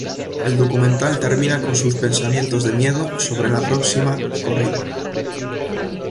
El documental termina con sus pensamientos de miedo sobre la próxima corrida.